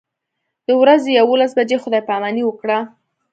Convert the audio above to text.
د ورځې یوولس بجې خدای پاماني وکړه.